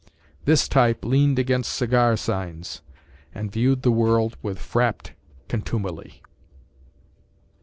This type leaned against cigar signs and viewed the world with frappéd contumely.